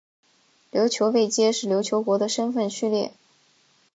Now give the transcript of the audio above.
琉球位阶是琉球国的身分序列。